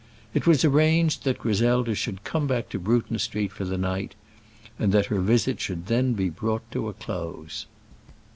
It was arranged that Griselda should come back to Bruton Street for that night, and that her visit should then be brought to a close.